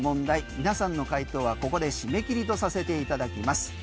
皆さんの回答はここで締め切りとさせていただきます。